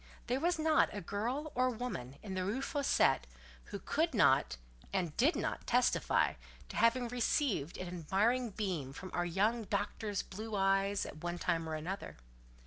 There was not a girl or woman in the Rue Fossette who could not, and did not testify to having received an admiring beam from our young doctor's blue eyes at one time or other.